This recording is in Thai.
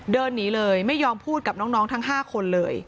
เดินหนีเลยไม่ยอมพูดกับน้องทั้ง๕คนเลย